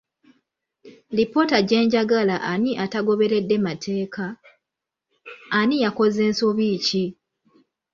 Lipoota gye njagala ani atagoberedde mateeka, ani yakoze nsobi ki?